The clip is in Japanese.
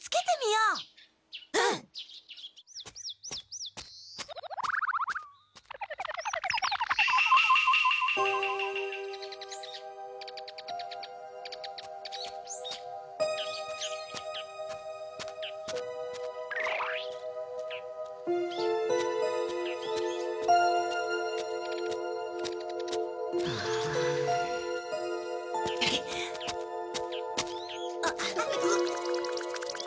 うん。あっ。